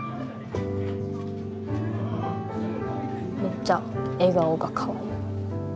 めっちゃ笑顔がかわいい。